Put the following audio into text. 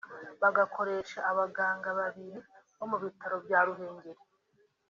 Bagakoresha abaganga babiri bo mu bitaro bya Ruhengeli